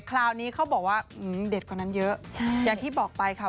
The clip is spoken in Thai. คราวนี้เขาบอกว่าเด็ดกว่านั้นเยอะใช่อย่างที่บอกไปค่ะ